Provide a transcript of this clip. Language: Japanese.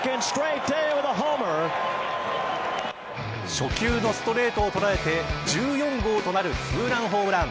初球のストレートを捉えて１４号となるツーランホームラン。